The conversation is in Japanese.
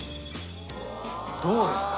どうですか？